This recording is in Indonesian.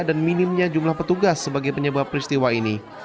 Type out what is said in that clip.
dan minimnya jumlah petugas sebagai penyebab peristiwa ini